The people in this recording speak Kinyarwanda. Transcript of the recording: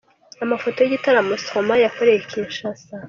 Amafoto y’igitaramo Stromae yakoreye i Kinshasa.